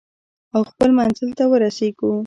او خپل منزل ته ورسیږو.